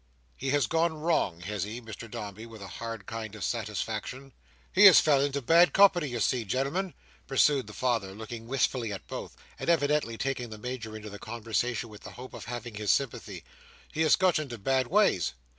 "He has gone wrong, has he?" said Mr Dombey, with a hard kind of satisfaction. "He has fell into bad company, you see, genelmen," pursued the father, looking wistfully at both, and evidently taking the Major into the conversation with the hope of having his sympathy. "He has got into bad ways.